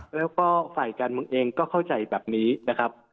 แล้วก็ฝ่ายการเมืองเองก็เข้าใจแบบนี้นะครับ